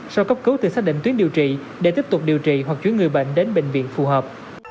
sau cấp cứu từ xác định tuyến điều trị để tiếp tục điều trị hoặc chuyển người bệnh đến bệnh viện phù hợp